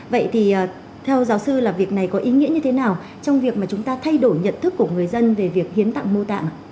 vậy thì theo giáo sư là việc này có ý nghĩa như thế nào trong việc mà chúng ta thay đổi nhận thức của người dân về việc hiến tặng mô tạng